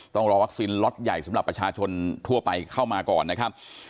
ต้องรอวัคซีนล็อตใหญ่สำหรับประชาชนทั่วไปเข้ามาก่อนนะครับ